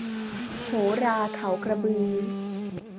โหราเขากระบือ